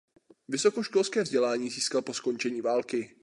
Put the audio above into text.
Vysokoškolské vzdělání získal po skončení války.